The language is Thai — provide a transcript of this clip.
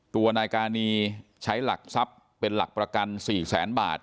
ตัวนายกานีใช้หลักทรัพย์เป็นหลักประกัน๔แสนบาท